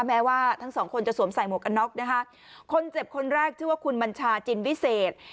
แม้ว่าทั้งสองคนจะสวมใส่หมวกกันน็อกนะคะคนเจ็บคนแรกชื่อว่าคุณบัญชาจินวิเศษ